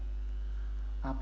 tidak ada apa apa